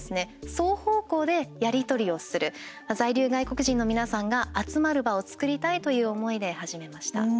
双方向でやり取りをする在留外国人の皆さんが集まる場を作りたいという思いで始めました。